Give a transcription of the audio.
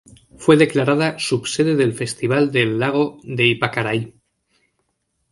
Fue declarada sub sede del Festival del lago de Ypacaraí.